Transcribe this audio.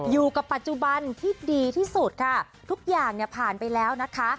อยู่กับปัจจุบันที่ดีที่สุดค่ะทุกอย่างเนี่ยผ่านไปแล้วนะคะ